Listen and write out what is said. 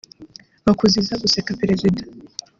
bakuziza guseka Perezida